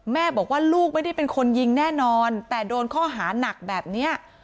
แม่บอกว่าลูกไม่ได้เป็นคนยิงแน่นอนแต่โดนข้อหานักแบบนี้